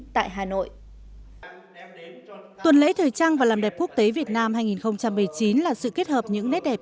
tại hà nội tuần lễ thời trang và làm đẹp quốc tế việt nam hai nghìn một mươi chín là sự kết hợp những nét đẹp